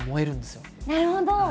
なるほど！